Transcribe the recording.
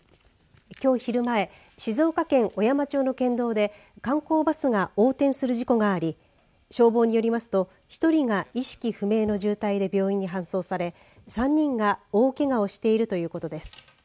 きょう昼前静岡県小山町の県道で観光バスが横転する事故があり消防によりますと１人が意識不明の重体で病院に搬送され３人が大けがをしているということです。